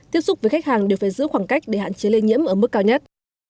tiếp xúc với khách hàng đều phải giữ khoảng cách để hạn chế lây nhiễm ở mức cao nhất